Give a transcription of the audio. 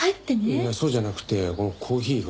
いやそうじゃなくてこのコーヒーが。